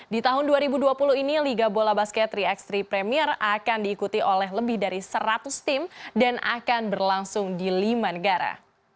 di tahun dua ribu dua puluh ini liga bola basket tiga x tiga premier akan diikuti oleh lebih dari seratus tim dan akan berlangsung di lima negara